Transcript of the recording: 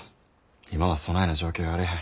今はそないな状況やあれへん。